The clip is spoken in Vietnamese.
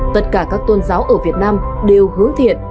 tất cả các tôn giáo ở việt nam đều hướng thiện